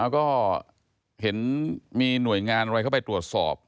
ก็เห็นมีหน่วยงานอะไรเข้าไปตรวจสอบ